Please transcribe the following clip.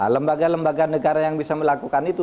lembaga lembaga negara yang bisa melakukan itu